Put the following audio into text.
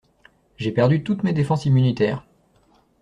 J'ai perdu toutes mes défenses immunitaires.